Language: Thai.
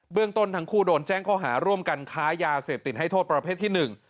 เรื่องต้นทั้งคู่โดนแจ้งข้อหาร่วมกันค้ายาเสพติดให้โทษประเภทที่หนึ่ง